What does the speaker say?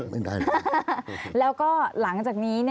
ลุงเอี่ยมอยากให้อธิบดีช่วยอะไรไหม